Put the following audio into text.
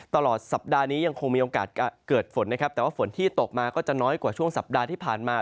ตลอดสัปดาห์นี้ยังคงมีโอกาสเกิดฝนนะครับแต่ว่าฝนที่ตกมาก็จะน้อยกว่าช่วงสัปดาห์ที่ผ่านมา